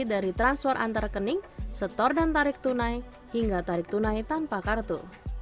dari transfer antar rekening setor dan tarik tunai hingga tarik tunai tanpa kartu